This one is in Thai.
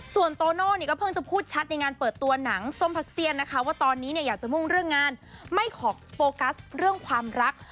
ส่วนโตโน่เนี่ยก็เพิ่งจะพูดชัดในงานเปิดตัวหนังส้มพักเซียนนะคะว่าตอนนี้เนี่ยอยากจะมุ่งเรื่องงานไม่ขอโฟกัสเรื่องความรัก